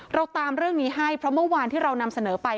เราตามเรื่องนี้ให้เพราะเมื่อวานที่เรานำเสนอไป